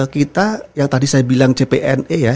kita yang tadi saya bilang cpne ya